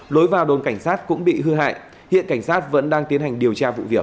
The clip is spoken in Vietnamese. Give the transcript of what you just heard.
lối vào đồn cảnh sát cũng bị hư hại hiện cảnh sát vẫn đang tiến hành điều tra vụ việc